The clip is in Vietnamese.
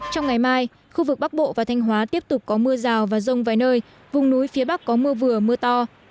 trong ngày mai khu vực bắc bộ và thanh hóa tiếp tục có mưa rào và rông vài nơi vùng núi phía bắc có mưa vừa mưa to